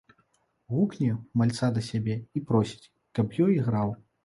Гукне мальца да сябе і просіць, каб ёй іграў.